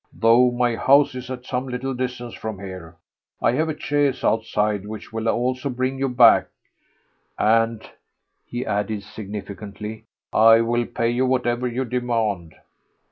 Though my house is at some little distance from here, I have a chaise outside which will also bring you back, and," he added significantly, "I will pay you whatever you demand."